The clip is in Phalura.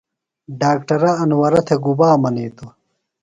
ڈاکٹرہ انورہ تھےۡ گُبا منِیتوۡ؟